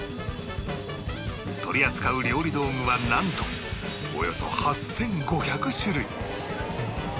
取り扱う料理道具はなんとおよそ８５００種類